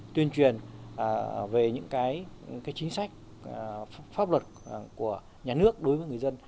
tuyên truyền về những cái chính sách pháp luật của nhà nước đối với người dân